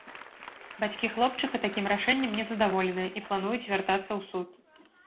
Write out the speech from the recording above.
Бацькі хлопчыка такім рашэннем не задаволеныя і плануюць звяртацца ў суд.